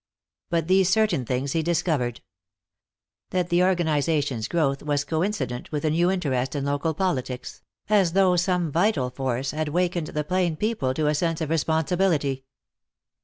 But these certain things he discovered: That the organization's growth was coincident with a new interest in local politics, as though some vital force had wakened the plain people to a sense of responsibility.